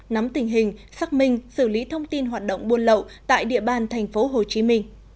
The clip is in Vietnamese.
nắm tình hình xác minh xử lý thông tin hoạt động buôn lậu tại địa bàn tp hcm